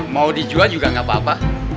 mau dijual juga nggak apa apa